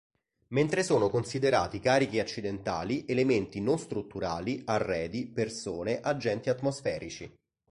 Mentre sono considerati carichi accidentali elementi non strutturali, arredi, persone, agenti atmosferici.